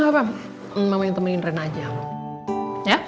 gak apa apa mama yang temenin rena aja